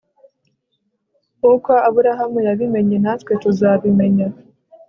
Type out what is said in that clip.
Nkuko Aburahamu yabimenyenatwe tuzabimenya